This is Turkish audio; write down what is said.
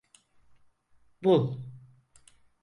Bul.